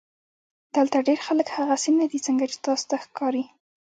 دلته ډېر خلک هغسې نۀ دي څنګه چې تاسو ته ښکاري